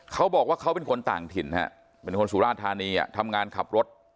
เขาบอกว่าเขาเป็นคนต่างถิ่นฮะเป็นคนสุราธานีทำงานขับรถ